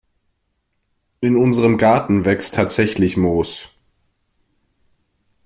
In unserem Garten wächst tatsächlich Moos.